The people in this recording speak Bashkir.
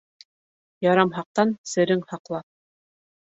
Ярамһаҡтан серең һаҡла.